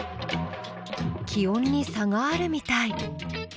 気温に差があるみたい。